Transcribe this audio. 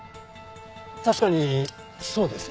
確かにそうですね。